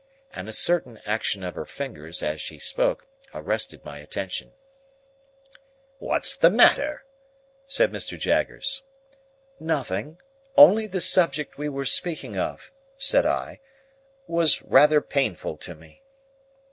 And a certain action of her fingers, as she spoke, arrested my attention. "What's the matter?" said Mr. Jaggers. "Nothing. Only the subject we were speaking of," said I, "was rather painful to me."